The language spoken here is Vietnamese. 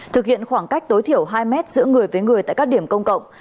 thực hiện khoảng cách tối thiểu hai mét giữa người với người tại các điểm công cộng